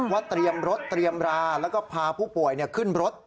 เตรียมรถเตรียมราแล้วก็พาผู้ป่วยขึ้นรถ